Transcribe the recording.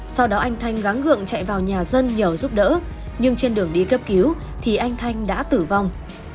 sau đó anh thanh gắn gượng chạy vào nhà dân nhờ giúp đỡ nhưng trên đường đi cấp cứu thì anh thanh đã tử vong